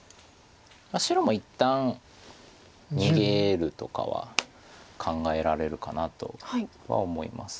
白も一旦逃げるとかは考えられるかなとは思います。